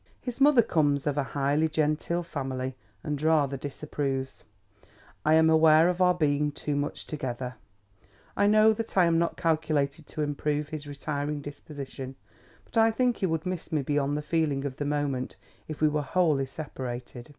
His mother comes of a highly genteel family, and rather disapproves, I am aware, of our being too much together. I know that I am not calculated to improve his retiring disposition; but I think he would miss me beyond the feeling of the moment if we were wholly separated.